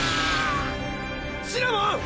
シナモン！